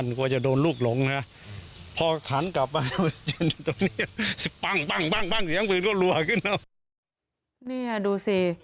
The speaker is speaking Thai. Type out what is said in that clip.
นี่ดูสิ